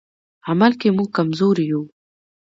عمل کې موږ کمزوري یو.